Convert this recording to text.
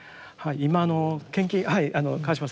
今の献金はい川島さん